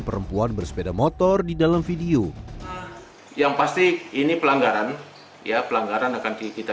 perempuan bersepeda motor di dalam video yang pasti ini pelanggaran ya pelanggaran akan kita